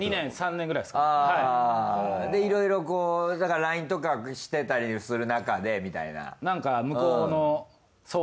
いろいろこうＬＩＮＥとかしてたりするなかでみたいな。